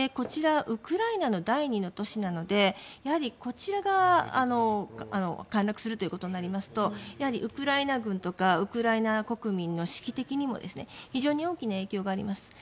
ウクライナの第２の都市なのでこちらが陥落するということになりますとやはりウクライナ軍とかウクライナ国民の士気的にも非常に大きな影響があります。